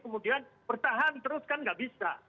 kemudian bertahan terus kan nggak bisa